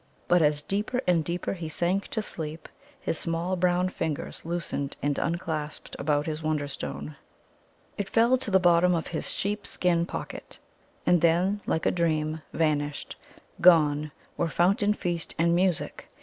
But as deeper and deeper he sank to sleep, his small brown fingers loosened and unclasped about his Wonderstone; it fell to the bottom of his sheep skin pocket, and then, like a dream, vanished, gone, were fountain, feast, and music.